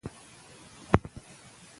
د مهارتونو لاسته راوړلو لپاره تعلیم مهم دی.